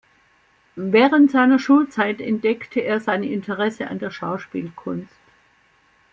Während seiner Schulzeit entdeckte er sein Interesse an der Schauspielkunst.